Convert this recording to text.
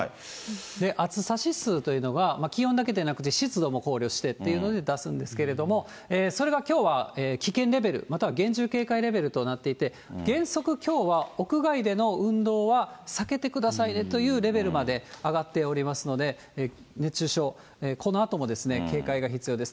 暑さ指数というのが、気温だけでなくて湿度も考慮してっていうので出すんですけども、それがきょうは危険レベル、または厳重警戒レベルとなっていて、原則きょうは、屋外での運動は避けてくださいねというレベルまで上がっておりますので、熱中症、このあとも警戒が必要です。